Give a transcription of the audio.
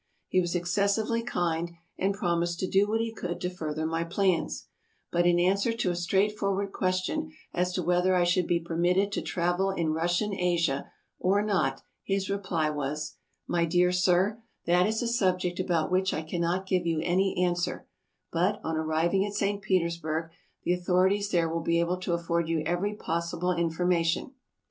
He was excessively kind and promised to do what he could to further my plans; but in an answer to a straightforward question as to whether I should be permitted to travel in Russian Asia or not his reply was :" My dear sir, that is a subject about which I cannot give you any answer; but, on arriving at St. Petersburg, the authorities there will be able to afford you every possible information.